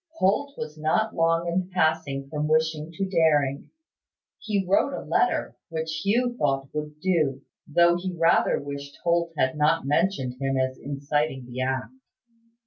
Holt was not long in passing from wishing to daring. He wrote a letter, which Hugh thought would do, though he rather wished Holt had not mentioned him as instigating the act.